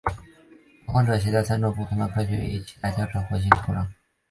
拓荒者号携带了三种不同的科学仪器用来调查火星土壤。